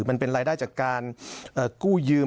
มันเป็นรายได้จากการกู้ยืม